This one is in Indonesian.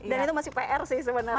dan itu masih pr sih sebenarnya